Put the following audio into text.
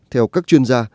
theo các chuyên gia